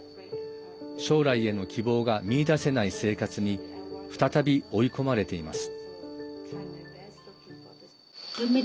将来への希望が見いだせない生活に再び追い込まれています。